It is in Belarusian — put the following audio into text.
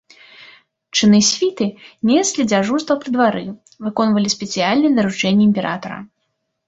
Чыны світы неслі дзяжурства пры двары, выконвалі спецыяльныя даручэнні імператара.